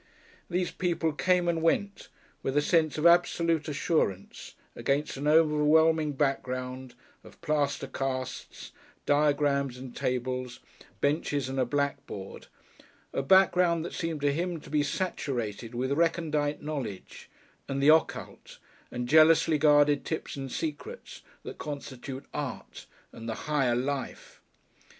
These people came and went, with a sense of absolute assurance, against an overwhelming background of plaster casts, diagrams and tables, benches and a blackboard a background that seemed to him to be saturated with recondite knowledge and the occult and jealously guarded tips and secrets that constitute Art and the Higher Life.